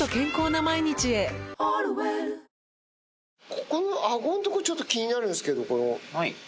ここのあごのとこ、ちょっと気になるんですけど、この。